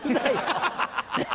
ハハハハ！